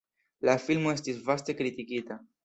La filmo estis vaste kritikita.